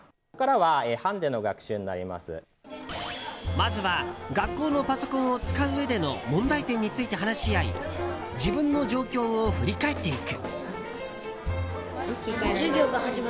まずは学校のパソコンを使ううえでの問題点について話し合い自分の状況を振り返っていく。